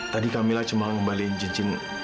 tadi kamilah cuma ngembalikan cincin